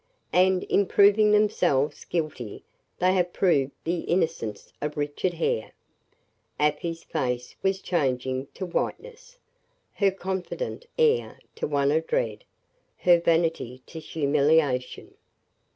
And, in proving themselves guilty they have proved the innocence of Richard Hare." Afy's face was changing to whiteness; her confident air to one of dread; her vanity to humiliation.